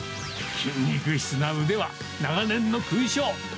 筋肉質な腕は、長年の勲章。